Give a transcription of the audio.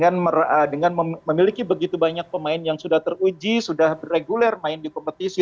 dengan memiliki begitu banyak pemain yang sudah teruji sudah reguler main di kompetisi